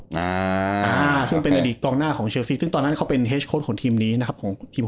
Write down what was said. อ่าอ่าซึ่งเป็นอดีตกองหน้าของเชลซีซึ่งตอนนั้นเขาเป็นเฮสโค้ดของทีมนี้นะครับของทีม